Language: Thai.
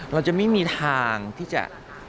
เราจะไม่มีทางที่จะ